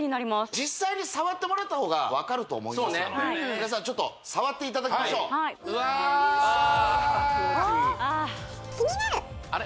実際に触ってもらった方が分かると思いますので皆さんちょっと触っていただきましょううわ気持ちいいあれ？